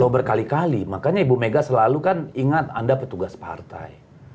berkali kali makanya ibu mega selalu kan ingat anda petugas partai